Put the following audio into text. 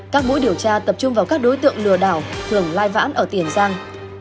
các mũi điều tra tập trung vào các đối tượng lừa đảo thường lai vãn ở tiền giang